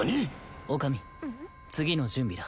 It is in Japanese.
女将次の準備だ。